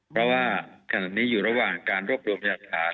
เพราะว่าขณะนี้อยู่ระหว่างการรวบรวมพยากฐาน